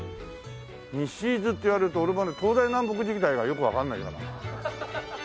西伊豆って言われると俺まだ東西南北自体がよくわからないからな。